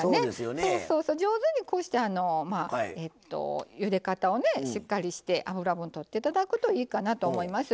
上手にこうしてゆで方をしっかりして脂分とって頂くといいかなと思います。